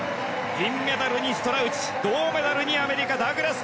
銀メダルにストラウチ銅メダルにアメリカ、ダグラス。